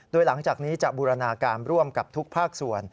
โดยหลังจากนี้จะบูรณาการร่วมกับทุกภาคส่วน